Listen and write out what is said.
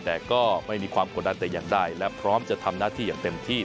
แต่ก็ไม่มีความกดดันแต่อย่างใดและพร้อมจะทำหน้าที่อย่างเต็มที่